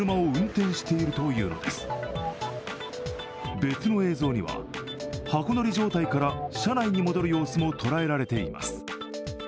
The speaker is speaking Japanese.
別の映像には、箱乗り状態から車内に戻る様子も捉えられています。